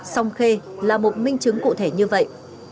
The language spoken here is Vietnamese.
song khê là một minh chứng cụ thể như vậy